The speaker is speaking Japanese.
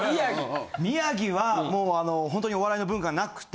宮城はもうホントにお笑いの文化なくて。